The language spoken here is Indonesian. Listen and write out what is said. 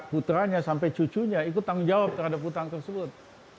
putranya sampai cucunya ikut tanggung jawab terhadap hutang tersebut